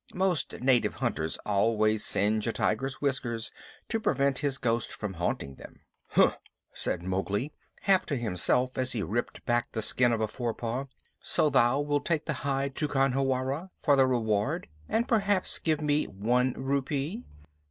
Most native hunters always singe a tiger's whiskers to prevent his ghost from haunting them. "Hum!" said Mowgli, half to himself as he ripped back the skin of a forepaw. "So thou wilt take the hide to Khanhiwara for the reward, and perhaps give me one rupee?